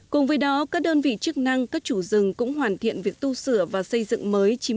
cùng với đó các đơn vị chức năng các chủ rừng cũng hoàn thiện việc tu sửa và xây dựng mới